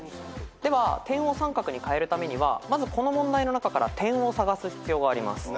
では点を三角に変えるためにはまずこの問題の中から点を探す必要があります。